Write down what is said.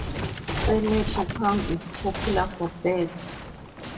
Cemetery Pond is popular for birds.